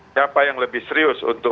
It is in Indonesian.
siapa yang lebih serius untuk